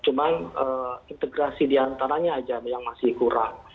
cuma integrasi di antaranya aja yang masih kurang